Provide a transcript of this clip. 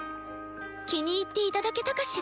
気に入って頂けたかしら。